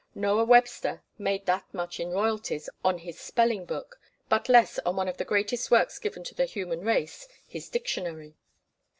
Noah Webster made that much in royalties on his spelling book, but less on one of the greatest works given to the human race, his dictionary.